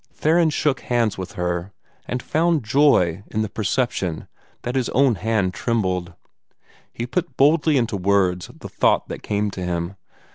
Theron shook hands with her, and found joy in the perception, that his own hand trembled. He put boldly into words the thought that came to him.